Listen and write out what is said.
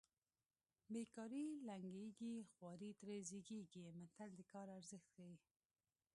بې کاري لنګېږي خواري ترې زېږېږي متل د کار ارزښت ښيي